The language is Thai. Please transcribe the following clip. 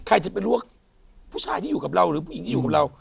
ใครจะไปรู้ว่าผู้ชายที่อยู่กับเราหรือผู้หญิงที่อยู่กับเรา